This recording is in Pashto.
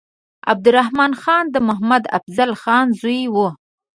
عبدالرحمن خان د محمد افضل خان زوی وو.